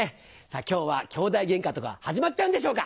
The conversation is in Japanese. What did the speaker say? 今日は兄弟ゲンカとか始まっちゃうんでしょうか。